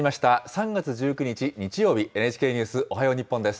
３月１９日日曜日、ＮＨＫニュースおはよう日本です。